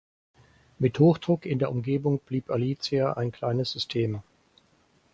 Mit Hochdruck in der Umgebung blieb Alicia ein kleines System.